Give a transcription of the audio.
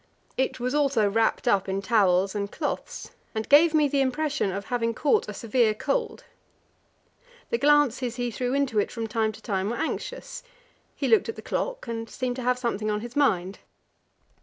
It was also wrapped up in towels and cloths, and gave me the impression of having caught a severe cold. The glances he threw into it from time to time were anxious; he looked at the clock, and seemed to have something on his mind.